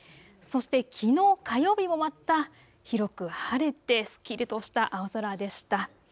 そして、きのう火曜日もまた広く晴れてすっきりとした青空でした。